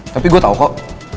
tapi gue tahu kok